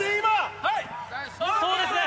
そうですね！